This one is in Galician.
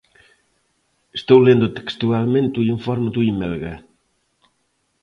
Estou lendo textualmente o informe do Imelga.